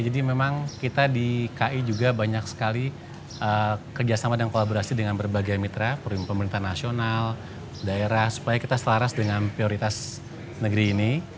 jadi memang kita di ki juga banyak sekali kerjasama dan kolaborasi dengan berbagai mitra pemerintah nasional daerah supaya kita selaras dengan prioritas negeri ini